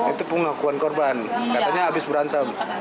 itu pengakuan korban katanya habis berantem